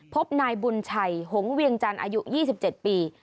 พบนายบุญชัยหงเวียงจันทร์อายุ๒๗ปี